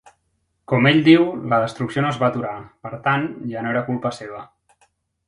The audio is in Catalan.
Com ell diu, la destrucció no es va aturar, per tant, ja no era culpa seva.